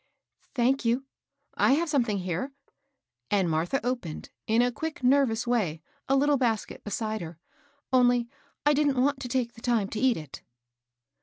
*' Thank you, I have something here ;" and Martha opened, in a quick, nervous way, a little basket beside her, " only I didn't want to take the time to eat it."